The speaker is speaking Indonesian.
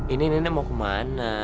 ini nenek mau ke mana